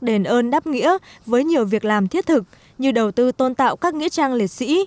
đền ơn đáp nghĩa với nhiều việc làm thiết thực như đầu tư tôn tạo các nghĩa trang liệt sĩ